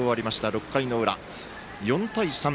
６回の裏、４対３。